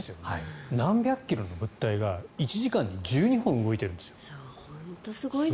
何百キロの物体が１時間に１２本動いてるんですね。